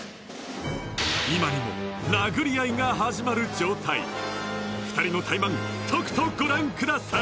今にも殴り合いが始まる状態２人のタイマンとくとご覧ください